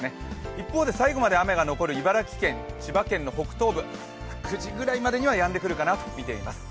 一方で最後まで雨が残る茨城県、千葉県の北東部、９時ぐらいまでにはやんでくるかなとみています。